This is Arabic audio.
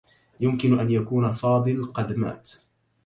يمكن أن يكون فاضل قد مات.